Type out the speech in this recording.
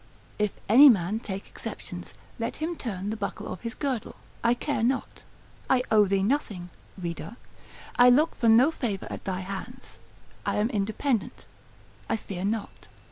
If any man take exceptions, let him turn the buckle of his girdle, I care not. I owe thee nothing (Reader), I look for no favour at thy hands, I am independent, I fear not.